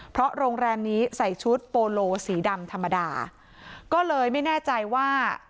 เพราะโรงแรมนี้ใส่ชุดโปโลสีดำธรรมดาก็เลยไม่แน่ใจว่า